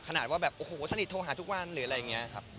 ขนาดว่าแบบโอ้โหสนิทโทรหาทุกวันหรืออะไรอย่างนี้ครับ